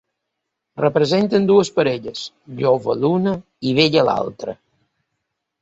Representen dues parelles, jove l’una i vella l’altra.